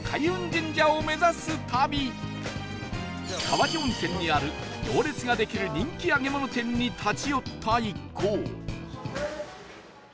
川治温泉にある行列ができる人気揚げ物店に立ち寄った一行